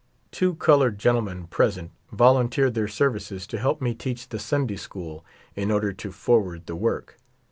Two colored gentlemen present volunteered their services to help me teach the Sunday school, in order to forward the work.